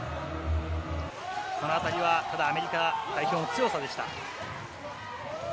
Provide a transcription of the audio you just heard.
このあたりはアメリカ代表の強さでした。